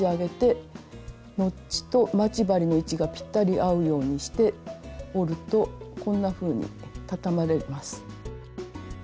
ノッチと待ち針の位置がぴったり合うようにして折るとこんなふうにたたまれます。